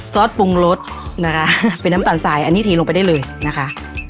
ซอสปรุงรสนะคะเป็นน้ำตาลสายอันนี้เทลงไปได้เลยนะคะ